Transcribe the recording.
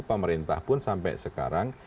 pemerintah pun sampai sekarang